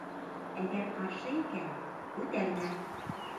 Әгәр ҡаршы икән -күтәрмә!